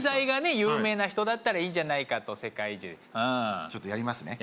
有名な人だったらいいんじゃないかと世界中ちょっとやりますね